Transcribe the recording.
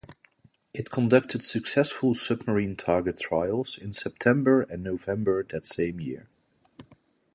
It conducted successful submarine target trials in September and November that same year.